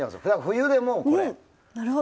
冬でもこれ。